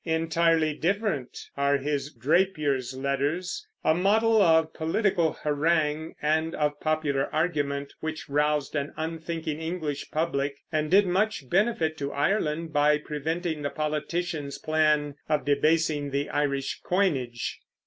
Entirely different are his Drapier's Letters, a model of political harangue and of popular argument, which roused an unthinking English public and did much benefit to Ireland by preventing the politicians' plan of debasing the Irish coinage.